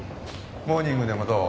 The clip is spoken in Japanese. モーニングでもどう？